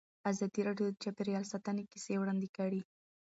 ازادي راډیو د چاپیریال ساتنه کیسې وړاندې کړي.